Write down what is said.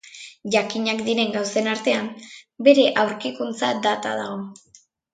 Jakinak diren gauzen artean, bere aurkikuntza data dago.